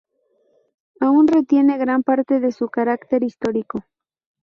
Aún retiene gran parte de su carácter histórico.